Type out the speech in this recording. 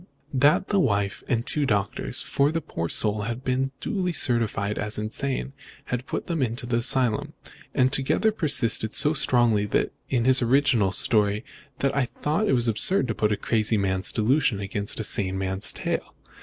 That the wife and two doctors for the poor soul had been duly certified as insane had put him into the asylum; and altogether persisted so strongly in his original story that I thought it was absurd to put a crazy man's delusion against a sane man's tale.